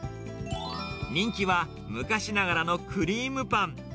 人気は、昔ながらのクリームパン。